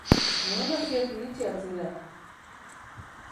Neonaziak iritsi al ziren?